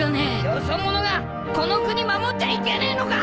よそ者がこの国守っちゃいけねえのか！？